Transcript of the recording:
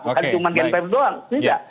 bukan cuma gnpf doang tidak